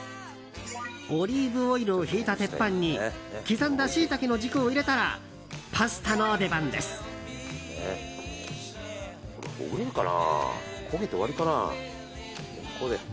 オリーブオイルをひいた鉄板に刻んだシイタケの軸を入れたらパスタの出番です。